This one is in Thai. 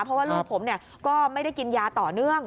เพราะว่าลูกผมก็ไม่ได้กินยาต่อเนื่อง